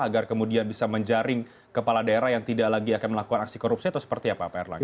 agar kemudian bisa menjaring kepala daerah yang tidak lagi akan melakukan aksi korupsi atau seperti apa pak erlangga